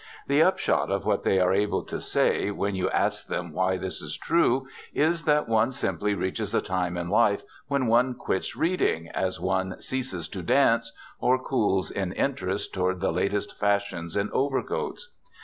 The upshot of what they are able to say, when you ask them why this is true, is that one simply reaches a time of life when one "quits reading," as one ceases to dance, or cools in interest toward the latest fashions in overcoats.